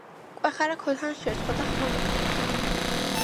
მკვეხარა ქოთანს შერცხვა და ხმა გაკმინდა.